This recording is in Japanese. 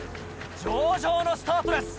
上々のスタートです。